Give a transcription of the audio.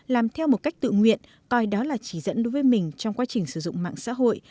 làm theo một cách tự nguyện coi đó là chỉ dẫn đối với mình trong quá trình sử dụng mạng xã hội